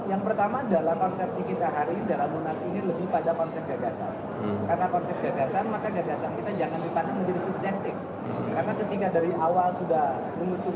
yang pertama dalam konsepsi kita hari ini lebih pada konsep gagasan